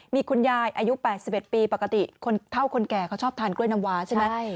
มีคุณยายอายุ๘๑ปีปกติคนเท่าคนแก่เขาชอบทานกล้วยน้ำวาใช่ไหม